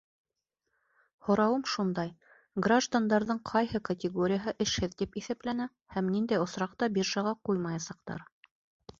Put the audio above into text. Һорауым шундай: граждандарҙың ҡайһы категорияһы эшһеҙ тип иҫәпләнә, һәм ниндәй осраҡта биржаға ҡуймаясаҡтар?